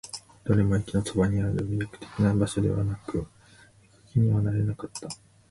どれも駅のそばにある。魅力的な場所ではなく、行く気にはなれなかった。